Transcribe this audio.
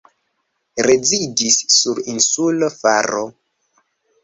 Rezidis sur insulo Faro.